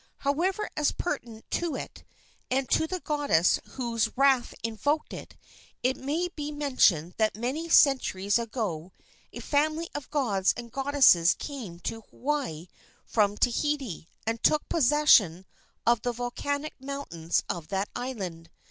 However, as pertinent to it, and to the goddess whose wrath invoked it, it may be mentioned that many centuries ago a family of gods and goddesses came to Hawaii from Tahiti and took possession of the volcanic mountains of that island.